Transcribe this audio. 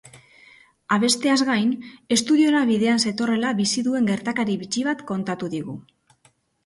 Abesteaz gain, estudiora bidean zetorrela bizi duen gertakari bitxi bat kontatu digu.